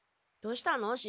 どうしたの？